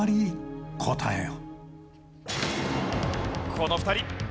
この２人。